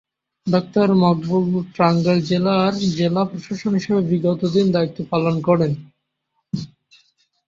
Doctor Maqbul Tangail জেলার জেলা প্রশাসক হিসেবে বিগত দিনে দায়িত্ব পালন করেন।